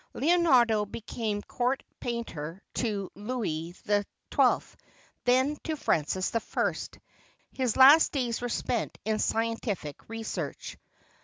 Leonardo became court painter to Louis XII; then to Francis I. His last days were spent in scientific research.